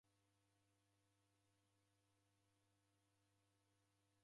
Mwaw'eseria kwa aw'uye